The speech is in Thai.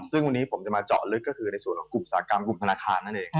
ซึ่งวันนี้ผมจะมาเจาะลึกก็คือในส่วนของกลุ่มอุตสาหกรรมกลุ่มธนาคารนั่นเอง